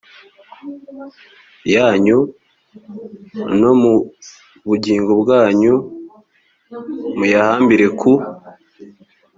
yanyu no mu bugingo bwanyu muyahambire ku